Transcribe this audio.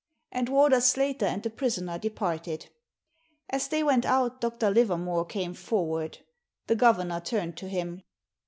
And Warder Slater and the prisoner departed. As they went out Dr. Livermore came forward. The governor turned to him.